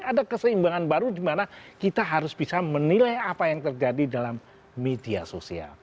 ada keseimbangan baru di mana kita harus bisa menilai apa yang terjadi dalam media sosial